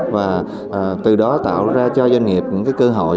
và từ đó tạo ra cho doanh nghiệp những cơ hội